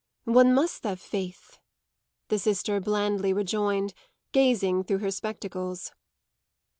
"One must have faith," the sister blandly rejoined, gazing through her spectacles.